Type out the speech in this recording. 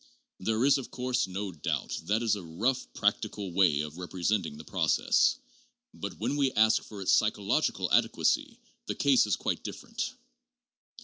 There is, of course, no doubt that is a rough practical way of representing the process. But when we ask for its psychological adequacy, the case is quite different.